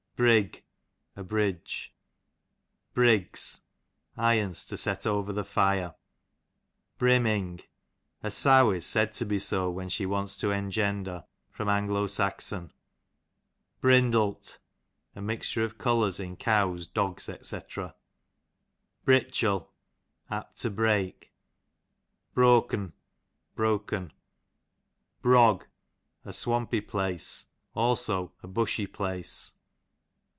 Brigg, a bridge. Briggs, irons to set over the fire. Brimming, a sow is said to be so when she wants to engender. A. S. Brindlt, u mixture of colours in cows, dogs, Sc. Britchel, aj^t to break. Brok'n, broken. Brog, a sivampy place; also a bushy place.